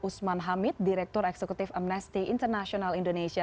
usman hamid direktur eksekutif amnesty international indonesia